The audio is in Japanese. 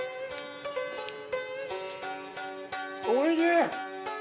おいしい！